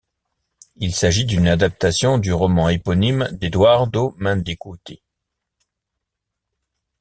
Il s'agit d'une adaptation du roman éponyme d'Eduardo Mendicutti.